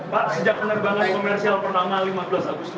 pak sejak penerbangan komersial pertama lima belas agustus